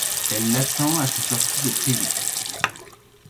Et l'attend à sa sortie de prison.